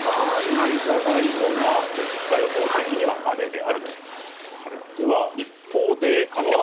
新ジャガイモが物価予報的には雨であると。